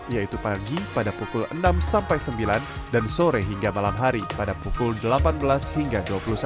yaitu pagi pada pukul enam sampai sembilan dan sore hingga malam hari pada pukul delapan belas hingga dua puluh satu